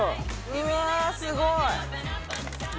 うわあすごい！